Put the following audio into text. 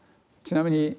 ちなみに。